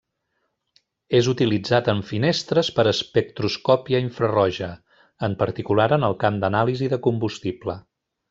És utilitzat en finestres per espectroscòpia infraroja, en particular en el camp d'anàlisi de combustible.